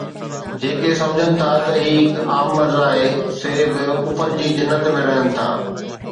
جيڪي سمجهن ٿا ته هي هڪ عام مرض آهي، سي بيوقوفن جي جنت ۾ رهن ٿا